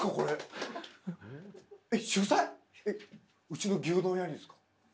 うちの牛丼屋にですか？